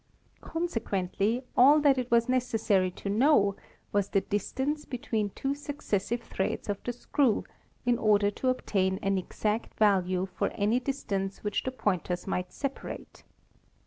Consequently all that it was necessary to know was the distance between two successive threads of the screw in order to obtain an exact value for any dis tance which the pointers might separate.